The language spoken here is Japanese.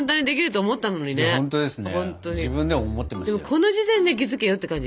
この時点で気付けよって感じ。